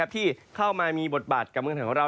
ที่เข้ามามีบทบาทกับเมืองไทยของเรา